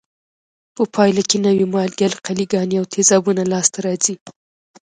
په پایله کې نوې مالګې، القلي ګانې او تیزابونه لاس ته راځي.